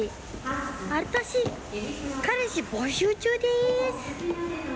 私、彼氏募集中でーす。